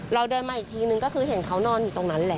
เราเดินมาอีกทีนึงก็คือเห็นเขานอนอยู่ตรงนั้นแหละ